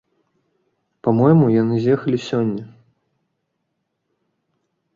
Па-мойму, яны з'ехалі сёння.